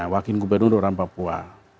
wakil gubernur orang papua